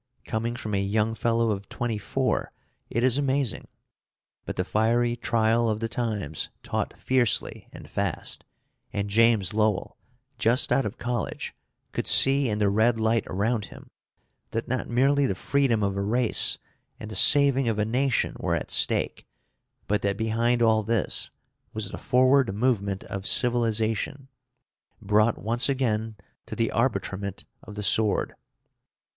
Coming from a young fellow of twenty four, it is amazing. But the fiery trial of the times taught fiercely and fast, and James Lowell, just out of college, could see in the red light around him that not merely the freedom of a race and the saving of a nation were at stake, but that behind all this was the forward movement of civilization, brought once again to the arbitrament of the sword.